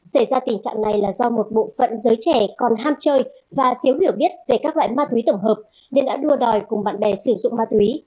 xảy ra tình trạng này là do một bộ phận giới trẻ còn ham chơi và thiếu hiểu biết về các loại ma túy tổng hợp nên đã đua đòi cùng bạn bè sử dụng ma túy